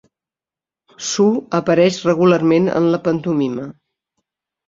Sue apareix regularment en la pantomima.